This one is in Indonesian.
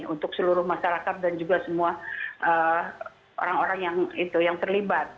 untuk seluruh masyarakat dan juga semua orang orang yang terlibat